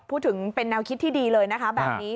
พูดถึงเป็นแนวคิดที่ดีเลยนะคะแบบนี้